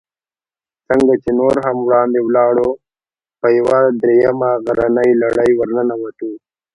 څنګه چې نور هم وړاندې ولاړو، په یوه درېیمه غرنۍ لړۍ ورننوتو.